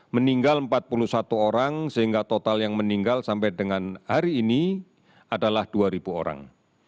meninggal empat puluh satu orang sehingga total yang meninggal sampai dengan hari ini adalah dua orang